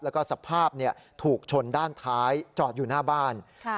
แล้วก็สภาพถูกชนด้านท้ายจอดอยู่หน้าบ้าน